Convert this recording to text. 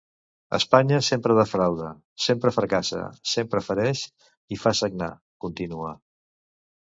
Espanya, sempre defrauda, sempre fracassa, sempre fereix i fa sagnar, continua.